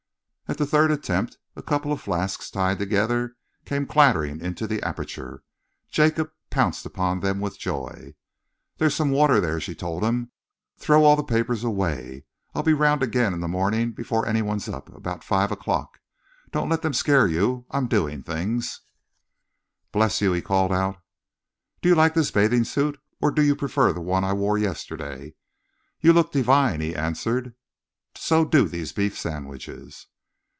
At the third attempt, a couple of flasks, tied together, came clattering into the aperture. Jacob pounced upon them with joy. "There's some water there," she told him. "Throw all the paper away. I'll be round again in the morning before any one's up, at about five o'clock. Don't let them scare you. I'm doing things." "Bless you!" he called out. "Do you like this bathing suit, or do you prefer the one I wore yesterday?" "You look divine," he answered. "So do these beef sandwiches."